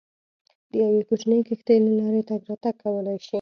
د یوې کوچنۍ کښتۍ له لارې تګ راتګ کولای شي.